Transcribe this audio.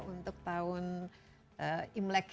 untuk tahun imlek